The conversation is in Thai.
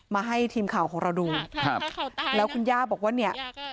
มาให้ทีมข่าวของเราดูครับแล้วคุณย่าบอกว่าเนี่ย